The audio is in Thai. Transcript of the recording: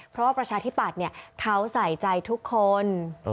เพราะว่าประชาธิปัตย์เขาใส่ใจทุกคน